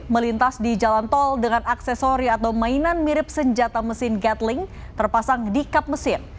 melintas di jalan tol dengan aksesori atau mainan mirip senjata mesin gatling terpasang di kap mesin